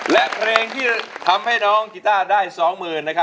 และเพลงที่ทำให้น้องกีต้าได้สองหมื่นนะครับ